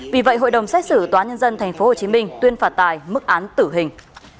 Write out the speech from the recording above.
vì vậy hội đồng xét xử tòa nhân dân tp hcm tuyên phạt tài mức án tử hình